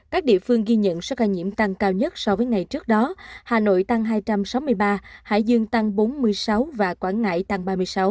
các địa phương ghi nhận số ca nhiễm tăng cao nhất so với ngày trước đó hà nội tăng hai trăm sáu mươi ba hải dương tăng bốn mươi sáu và quảng ngãi tăng ba mươi sáu